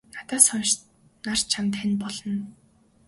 Надаас хойш нар чамд хань болно.